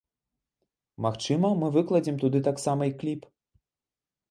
Магчыма мы выкладзем туды таксама і кліп.